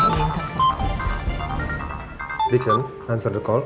biksen jawab panggilan